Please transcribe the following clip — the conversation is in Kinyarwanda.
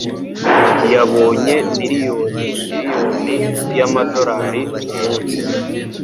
Yabonye miliyoni miriyoni y'amadorari kumunsi.